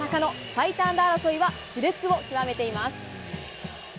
最多安打争いは、しれつを極めています。